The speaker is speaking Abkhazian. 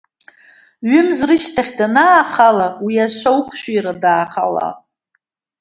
Ҩымз рышьҭахь данаахала, уи ашәа уқәшәира дхалаат!